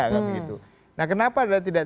kan begitu nah kenapa tidak